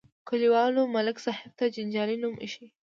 کلیوالو ملک صاحب ته جنجالي نوم ایښی.